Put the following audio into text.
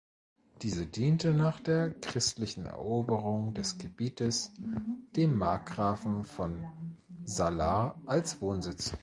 Diese diente nach der christlichen Eroberung des Gebietes dem Markgrafen von Salar als Wohnsitz.